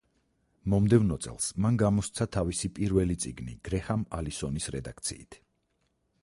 მომდევნო წელს მან გამოსცა თავისი პირველი წიგნი გრეჰამ ალისონის რედაქციით.